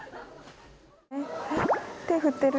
手振ってる。